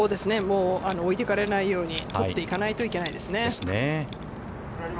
置いていかれないように、取っていかないといけないですね。